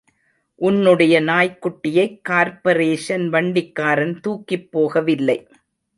உன்னுடைய நாய்க்குட்டியைக் கார்ப்பரேஷன் வண்டிக்காரன் தூக்கிப் போகவில்லை.